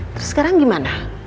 terus sekarang gimana